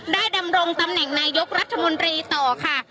ดำรงตำแหน่งนายกรัฐมนตรีต่อค่ะ